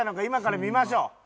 今から見ましょう。